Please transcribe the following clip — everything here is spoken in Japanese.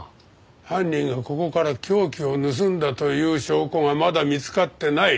犯人がここから凶器を盗んだという証拠がまだ見つかってない。